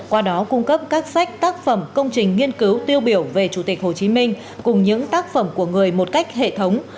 qua đó cung cấp các sách tác phẩm công trình nghiên cứu tiêu biểu về chủ tịch hồ chí minh cùng những tác phẩm của người một cách hệ thống